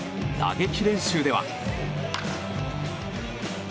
打撃練習では。